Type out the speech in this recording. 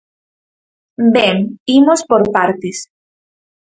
Ben, imos por partes.